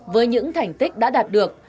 với những thành tích đã đạt được